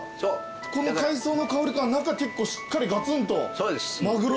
この海藻の香りが結構しっかりガツンと。